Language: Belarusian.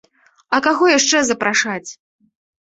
А каго яшчэ запрашаць?